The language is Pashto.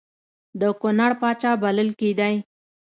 د کنړ پاچا بلل کېدی.